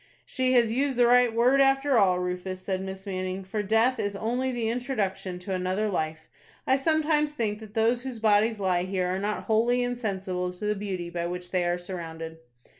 "She has used the right word, after all, Rufus," said Miss Manning; "for death is only the introduction to another life. I sometimes think that those whose bodies lie here are not wholly insensible to the beauty by which they are surrounded."